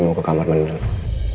saya mau ke kamar menurutmu